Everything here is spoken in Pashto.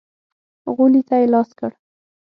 غولي ته يې لاس کړ.